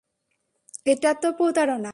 এটা তো প্রতারণা।